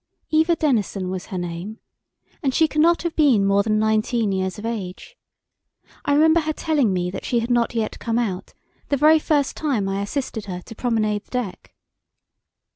Eva Denison was her name, and she cannot have been more than nineteen years of age. I remember her telling me that she had not yet come out, the very first time I assisted her to promenade the poop.